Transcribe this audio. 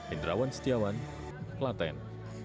indrawan setiawan klaten